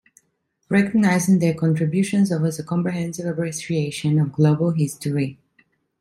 Recognizing their contributions offers a comprehensive appreciation of global history.